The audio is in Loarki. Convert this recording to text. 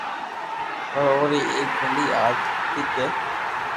پر او ري ايڪ ڀلي آست ھتي ڪي